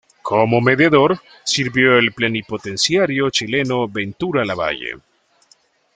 Como mediador sirvió el plenipotenciario chileno Ventura Lavalle.